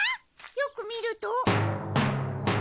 よく見ると。